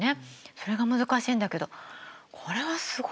それが難しいんだけどこれはすごいね。